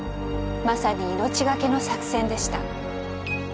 まさに命がけの作戦でした。